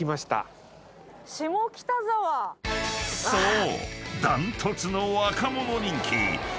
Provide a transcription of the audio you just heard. ［そう！